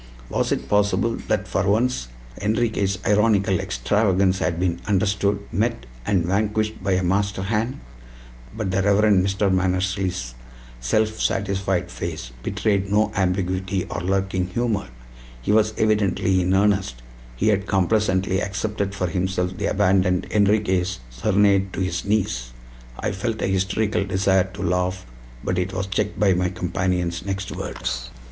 Was it possible that for once Enriquez' ironical extravagance had been understood, met, and vanquished by a master hand? But the Rev. Mr. Mannersley's self satisfied face betrayed no ambiguity or lurking humor. He was evidently in earnest; he had complacently accepted for himself the abandoned Enriquez' serenade to his niece. I felt a hysterical desire to laugh, but it was checked by my companion's next words.